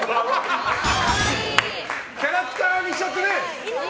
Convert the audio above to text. キャラクターにしちゃってね。